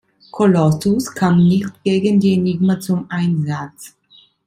Colossus kam nicht gegen die Enigma zum Einsatz.